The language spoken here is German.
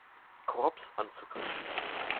Korps anzugreifen.